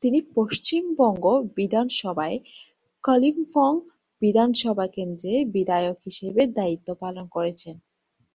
তিনি পশ্চিমবঙ্গ বিধানসভায় কালিম্পং বিধানসভা কেন্দ্রের বিধায়ক হিসেবে দায়িত্ব পালন করছেন।